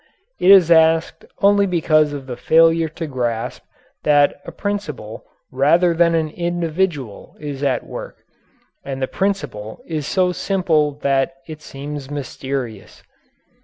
It is asked only because of the failure to grasp that a principle rather than an individual is at work, and the principle is so simple that it seems mysterious.